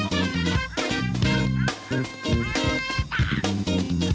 สวัสดีครับ